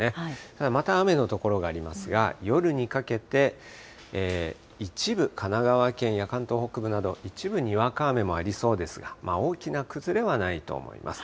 ただ、まだ雨の所がありますが、夜にかけて、一部、神奈川県や関東北部など、一部、にわか雨もありそうですが、大きな崩れはないと思います。